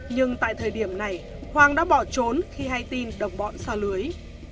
nhưng tại thời điểm này hoàng đã bỏ trốn khi hay tin đồng bọn xa lưới